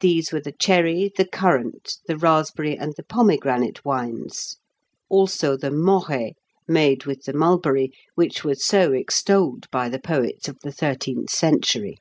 These were the cherry, the currant, the raspberry, and the pomegranate wines; also the moré, made with the mulberry, which was so extolled by the poets of the thirteenth century.